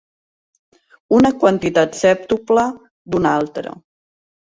Una quantitat sèptupla d'una altra.